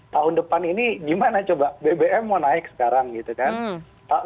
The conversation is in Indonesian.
tahun depan ini gimana coba bbm mau naik sekarang gitu kan